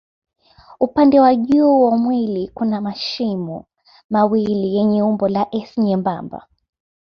Upande wa juu wa mwili kuna mashimo mawili yenye umbo la S nyembamba.